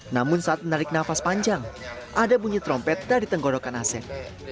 namun saat menarik nafas panjang ada bunyi trompet dari tenggorokan asep